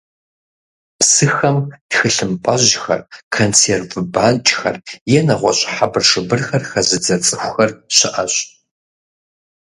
Псыхэм тхылъымпӀэжьхэр, консерв банкӀхэр е нэгъуэщӀ хьэбыршыбырхэр хэзыдзэ цӀыхухэр щыӀэщ.